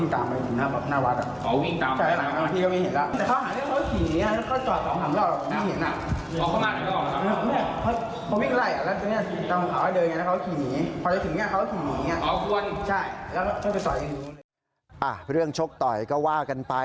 แต่เขาหาเรื่องเขาขี่นี่